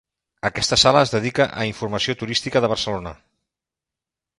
Aquesta sala es dedica a Informació Turística de Barcelona.